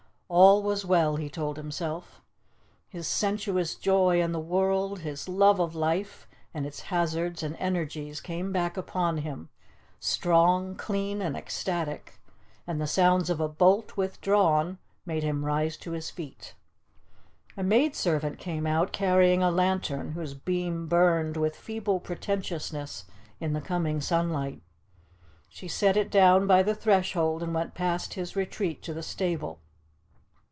All was well, he told himself. His sensuous joy in the world, his love of life and its hazards and energies came back upon him, strong, clean, and ecstatic, and the sounds of a bolt withdrawn made him rise to his feet. A maidservant came out carrying a lantern, whose beam burned with feeble pretentiousness in the coming sunlight. She set it down by the threshold and went past his retreat to the stable.